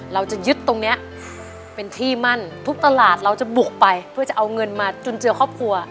เราจะยึดตรงนี้เป็นที่มั่นทุกตลาดเราจะบุกไปเพื่อจะเอาเงินมาจุนเจือครอบครัว